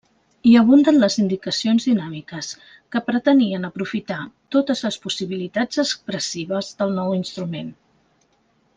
Hi abunden les indicacions dinàmiques, que pretenien aprofitar totes les possibilitats expressives del nou instrument.